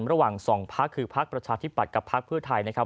ระหว่าง๒พักคือพักประชาธิบัติกับพักเพื่อไทย